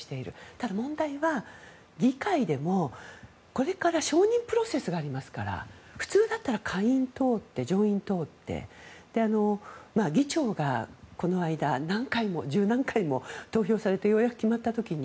ただ、問題は議会でも、これから承認プロセスがありますから普通だったら下院通って、上院通って議長がこの間、１０何回も投票されてようやく決まった時に。